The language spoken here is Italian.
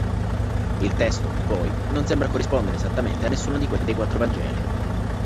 Il testo, poi, non sembra corrispondere esattamente a nessuno di quelli dei quattro vangeli.